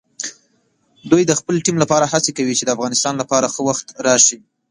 دوی د خپل ټیم لپاره هڅې کوي چې د افغانستان لپاره ښه وخت راشي.